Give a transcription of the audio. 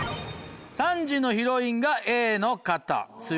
３時のヒロインがＡの方須江さん。